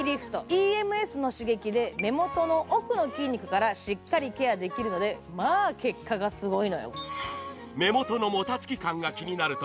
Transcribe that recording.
ＥＭＳの刺激で目元の奥の筋肉からしっかりケアできるのでまあ結果がすごいのよ。